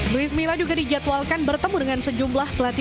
luis mila juga dijadwalkan bertemu dengan sejumlah pelatih